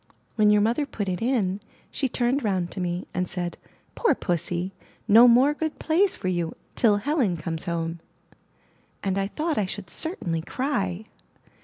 When your mother put it in, she turned round to me, and said, *Toor pussy, no more good plays for you till Helen comes home!*' and I thought I should certainly cry.